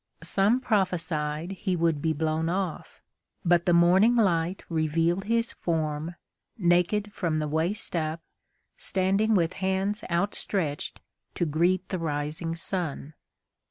Some prophesied he would be blown off, but the morning light revealed his form, naked from the waist up, standing with hands outstretched to greet the rising sun.